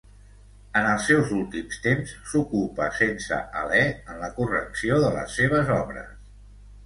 En els seus últims temps s'ocupa sense alè en la correcció de les seves obres.